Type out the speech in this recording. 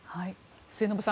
末延さん